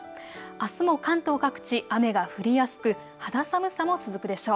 あすも関東各地、雨が降りやすく肌寒さも続くでしょう。